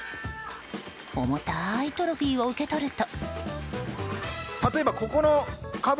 重たいトロフィーを受け取ると。